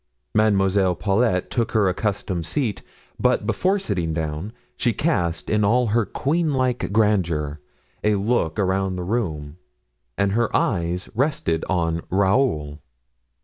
Mademoiselle Paulet took her accustomed seat, but before sitting down, she cast, in all her queen like grandeur, a look around the room, and her eyes rested on Raoul.